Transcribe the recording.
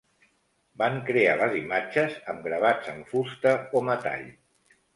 Van crear les imatges amb gravats en fusta o metall.